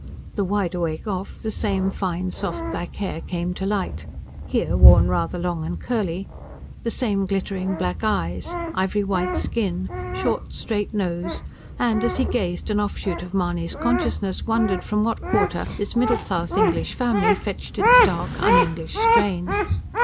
The wide awake off, the same fine, soft, black hair came to light here, worn rather long and curly the same glittering black eyes, ivory white skin, short, straight nose; and, as he gazed, an offshoot of Mahony's consciousness wondered from what quarter this middle class English family fetched its dark, un English strain.